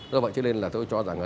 do vậy cho nên là tôi cho rằng là